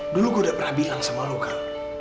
dulu gue udah pernah bilang sama lo kal